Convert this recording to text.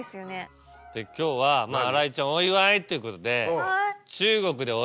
今日は新井ちゃんお祝いっていうことで。